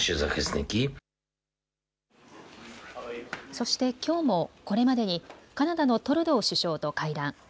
そして、きょうもこれまでに、カナダのトルドー首相と会談。